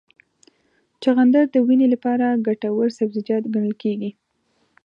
چغندر د وینې لپاره ګټور سبزیجات ګڼل کېږي.